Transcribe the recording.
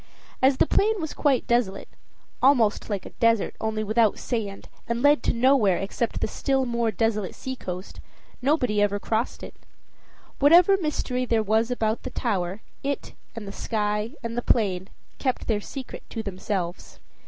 As the plain was quite desolate almost like a desert, only without sand, and led to nowhere except the still more desolate seacoast nobody ever crossed it. Whatever mystery there was about the tower, it and the sky and the plain kept their secret to themselves.